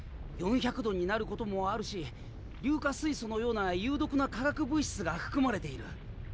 ４００度になることもあるし硫化水素のような有毒な化学物質が含まれている。